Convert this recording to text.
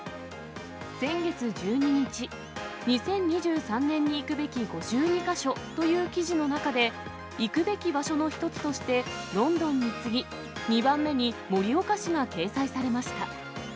先月１２日、２０２３年に行くべき５２か所という記事の中で、行くべき場所の一つとして、ロンドンに次ぎ、２番目に盛岡市が掲載されました。